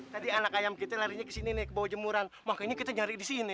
tadi anak ayam kita larinya kesini nih ke bawah jemuran makanya kita nyari disini